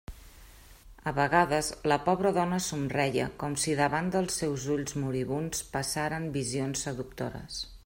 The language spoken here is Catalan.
A vegades, la pobra dona somreia, com si davant dels seus ulls moribunds passaren visions seductores.